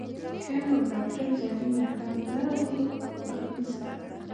ښه نو ډاکتر جلیل احمد نه راځي، وخت نسته